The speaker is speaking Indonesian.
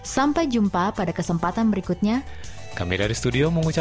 kami sambut sekarang juga